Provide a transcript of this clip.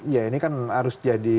ya ini kan harus jadi